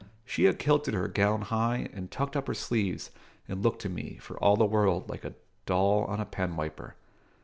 She had kilted her gown high and tucked up her sleeves, and looked to me, for all the world, like a doll on a penwiper.